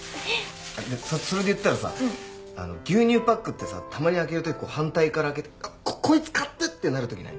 それで言ったらさ牛乳パックってさたまに開ける時反対から開けて「こいつかたっ」ってなる時ない？